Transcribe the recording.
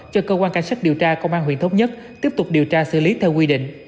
cho cơ quan cảnh sát điều tra công an huyện thống nhất tiếp tục điều tra xử lý theo quy định